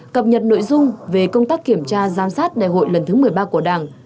cập nhật nội dung về công tác kiểm tra giám sát đại hội lần thứ một mươi ba của đảng